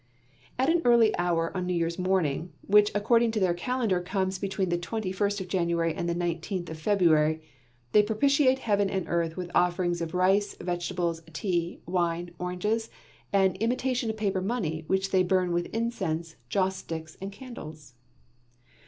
At an early hour on New Year's morning, which according to their calendar comes between the twenty first of January and the nineteenth of February, they propitiate heaven and earth with offerings of rice, vegetables, tea, wine, oranges, and imitation of paper money which they burn with incense, joss sticks, and candles.